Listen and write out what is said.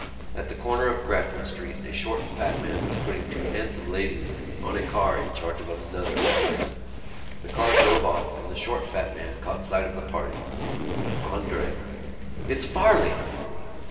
At the corner of Grafton Street a short fat man was putting two handsome ladies on a car in charge of another fat man. The car drove off and the short fat man caught sight of the party. "André." "It's Farley!"